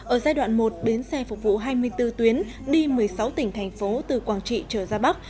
ở giai đoạn một bến xe phục vụ hai mươi bốn tuyến đi một mươi sáu tỉnh thành phố từ quảng trị trở ra bắc